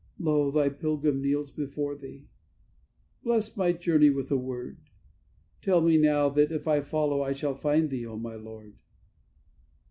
"Lo, Thy pilgrim kneels before Thee; bless my journey with a word; Tell me now that if I follow, I shall find Thee, O my Lord!"